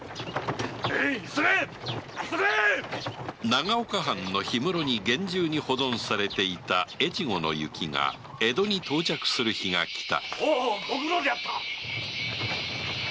長岡藩の氷室に厳重に保存されていた越後の雪が江戸に到着する日がきた